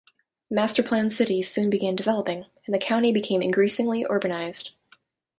Master-planned cities soon began developing, and the county became increasingly urbanized.